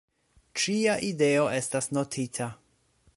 Ĉia ideo estas notita.